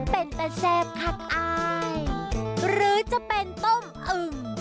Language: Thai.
เป็นแต่แซ่บคักอายหรือจะเป็นต้มอึ่ง